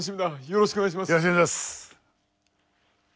よろしくお願いします。